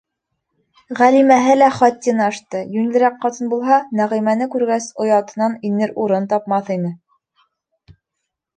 Ғәлимәһе лә хаттин ашты, йүнлерәк ҡатын булһа, Нәғимәне күргәс оятынан инер урын тапмаҫ ине.